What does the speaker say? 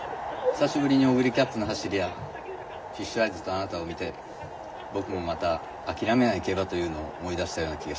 久しぶりにオグリキャップの走りやフィッシュアイズとあなたを見て僕もまた諦めない競馬というのを思い出したような気がします。